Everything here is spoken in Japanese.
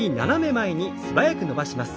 腕は素早く伸ばします。